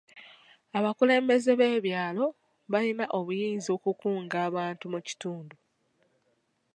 Abakulembeze b'ebyalo balina obuyinza okukunga abantu mu kitundu.